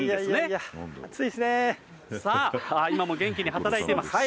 さあ、今も元気に働いています。